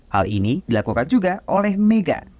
hal ini dilakukan juga oleh mega